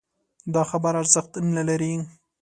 دا خبره ارزښت نه لري